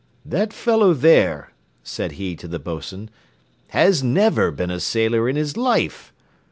"That fellow there," said he to the boatswain, "has never been a sailor in his life.